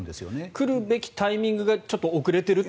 来るべきタイミングがちょっと遅れていると。